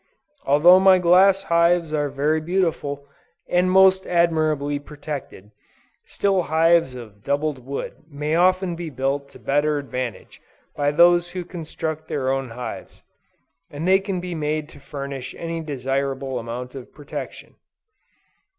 Although my glass hives are very beautiful, and most admirably protected, still hives of doubled wood may often be built to better advantage by those who construct their own hives, and they can be made to furnish any desirable amount of protection.